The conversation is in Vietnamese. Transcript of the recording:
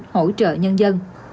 hỗ trợ nhân dân